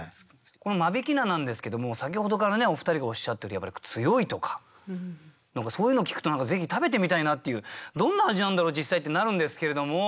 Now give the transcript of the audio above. この間引菜なんですけども先ほどからお二人がおっしゃってる「強い」とか何かそういうのを聞くとぜひ食べてみたいなっていう「どんな味なんだろう？実際」ってなるんですけれども。